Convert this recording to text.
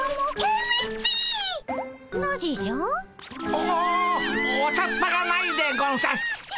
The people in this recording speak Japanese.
おお茶っ葉がないでゴンス。